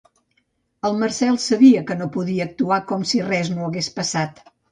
El Marcel sabia que no podia actuar com si res no hagués passat.